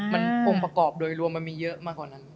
มันองค์ประกอบโดยรวมมันมีเยอะมากกว่านั้น